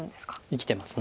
生きてます。